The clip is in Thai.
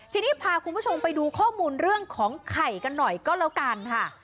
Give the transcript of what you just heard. ทีนี้พาคุณผู้ชมไปดูข้อมูลเรื่องของไข่กันหน่อยก็แล้วกันค่ะ